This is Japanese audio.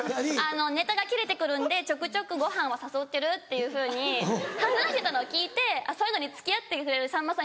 ネタが切れて来るんでちょくちょくごはんは誘ってるっていうふうに話してたのを聞いてそういうのに付き合ってくれるさんまさん